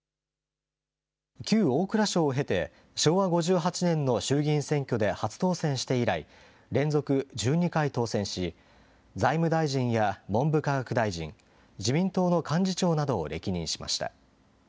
旧大蔵省をへて、昭和５８年の衆議院選挙で初当選して以来、連続１２回当選し、財務大臣や文部科学大臣、自民党の幹事長などを歴任しました。